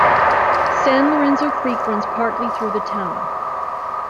San Lorenzo Creek runs partly through the town.